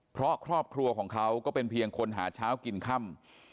เพราะครอบครัวของเขาก็เป็นเพียงคนหาเช้ากินค่ำ